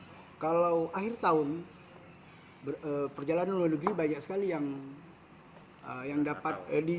untuk memudahkan pelayanan kantor imigrasi jakarta utara beberapa waktu lalu juga telah membuka pelayanan pembuatan paspor secara online